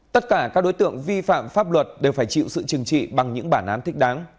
tất cả các đối tượng vi phạm pháp luật đều phải chịu sự chừng trị bằng những bản án thích đáng